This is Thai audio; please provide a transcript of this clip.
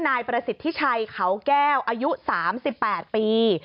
นายประสิทธิชัยเขาแก้วอายุ๓๘ปี